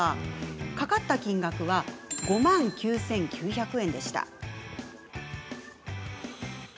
かかった金額は５万９９００円でした。